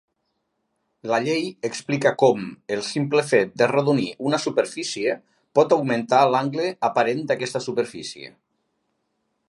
La llei explica com, el simple fet d'arrodonir una superfície, por augmentar l'angle aparent d'aquesta superfície.